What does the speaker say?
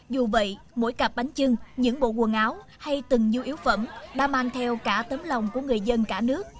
dù vậy mỗi cặp bánh trưng những bộ quần áo hay từng du yếu phẩm đã mang theo cả tấm lòng của người dân cả nước